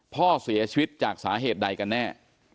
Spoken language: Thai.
พ่อเสียชีวิตจากสาเหตุใดกันแน่